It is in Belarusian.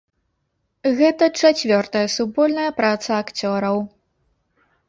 Гэта чацвёртая супольная праца акцёраў.